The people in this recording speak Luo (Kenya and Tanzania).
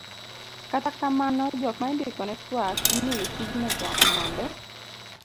kata kamano, jok ma indikone twak imiyo tijno chon mondo